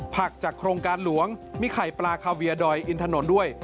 จากโครงการหลวงมีไข่ปลาคาเวียดอยอินถนนด้วย